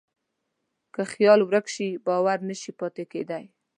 که خیال ورک شي، باور نهشي پاتې کېدی.